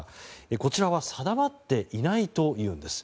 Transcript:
こちらは定まっていないというのです。